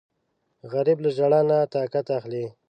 غریب له ژړا نه طاقت اخلي